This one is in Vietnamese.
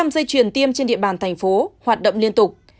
một sáu trăm linh dây chuyền tiêm trên địa bàn thành phố hoạt động liên tục